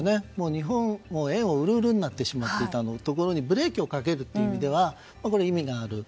日本も円を売る、売るになってしまっていたところにブレーキをかける意味では意味がある。